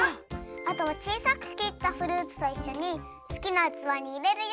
あとはちいさくきったフルーツといっしょにすきなうつわにいれるよ。